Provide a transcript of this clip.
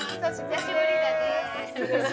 久しぶりだね。